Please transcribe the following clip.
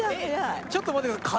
ちょっと待って下さい。